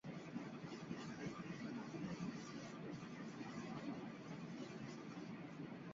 বরফ গলন ও হৈম-আগ্নেয়গিরির সৃষ্টির ক্ষেত্রে সৌরজগতের কোনও কোনও বস্তুর সম্ভাব্য শক্তির উৎসটি হল জোয়ার-সংক্রান্ত বিরোধ।